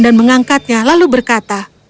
dan mengangkatnya lalu berkata